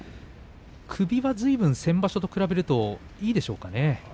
首は先場所と比べるといいでしょうかね？